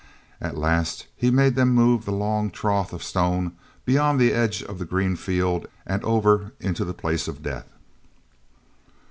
At last he made them move the long trough of stone beyond the edge of the green field and over into the Place of Death.